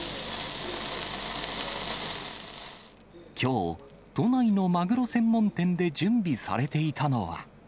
きょう、都内のマグロ専門店で準備されていたのは。